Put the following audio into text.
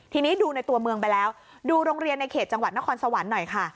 ทีนี้ดูในตัวเมืองไปแล้วดูโรงเรียนในเขตจังหวัดนครสวรรค์หน่อยค่ะ